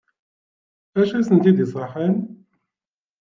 D acu i sent-d-iṣaḥen?